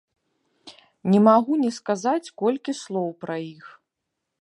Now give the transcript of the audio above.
Не магу не сказаць колькі слоў пра іх.